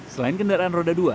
selain kendaraan roda dua